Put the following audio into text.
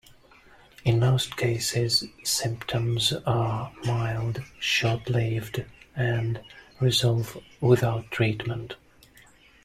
In most cases symptoms are mild, short-lived, and resolve without treatment.